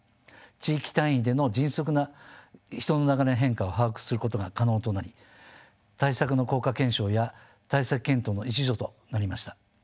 地域単位での迅速な人の流れの変化を把握することが可能となり対策の効果検証や対策検討の一助となりました。